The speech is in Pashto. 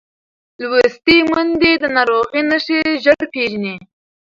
لوستې میندې د ناروغۍ نښې ژر پېژني.